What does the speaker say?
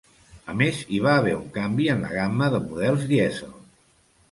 A més hi va haver un canvi en la gamma de models dièsel.